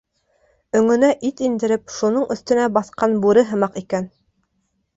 Өңөнә ит индереп, шуның өҫтөнә баҫҡан бүре һымаҡ икән.